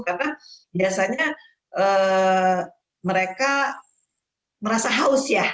karena biasanya mereka merasa haus ya